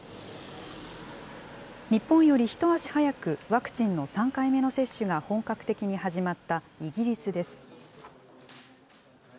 日本より一足早く、ワクチンの３回目の接種が本格的に始まったイギリスです。